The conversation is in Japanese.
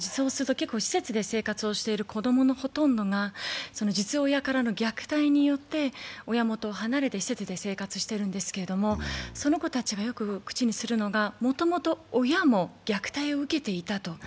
施設で生活をしている子供のほとんどが実親からの虐待によって親元を離れて施設で生活してるんですけども、その子たちがよく口にするのが、もともと親も虐待を受けていたと。